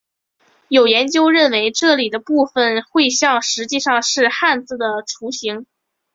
有研究认为这里的部分绘像实际上是汉字的雏形。